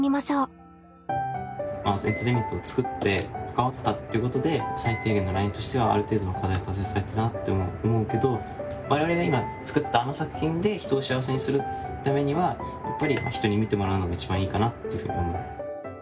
エンターテインメントを作って関わったっていうことで最低限のラインとしてはある程度の課題は達成されたなって思うけど我々が今作ったあの作品で人を幸せにするためにはやっぱり人に見てもらうのが一番いいかなっていうふうに思う。